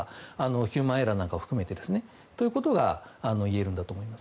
ヒューマンエラーなども含めて。ということがいえると思います。